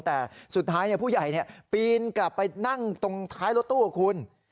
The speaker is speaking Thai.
แต่สุดท้ายผู้ใหญ่ปีนกลับไปนั่งตรงท้ายรถตู้คุณ